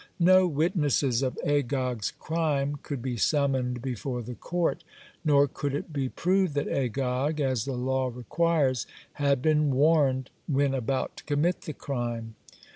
No witnesses of Agag's crime could be summoned before the court, nor could it be proved that Agag, as the law requires, had been warned when about to commit the crime.